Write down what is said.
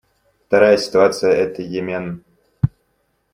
Вторая ситуация — это Йемен.